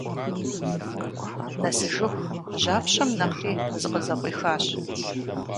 Нэсыжыху жьапщэм нэхъри зыкъызэкъуихащ.